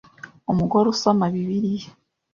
Umugore usoma Bibiliya